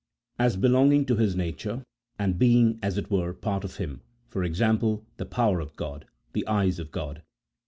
As belonging to His nature, and being, as it were, part of Him ; e.g. the power of God, the eyes of God.